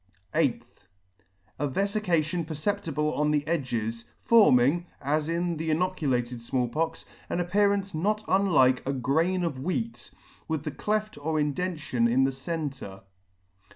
8th. A vefication perceptible on the edges, forming, as in the inoculated Small Pox, an appearance not unlike a grain of wheat, with the cleft or indention in the centre.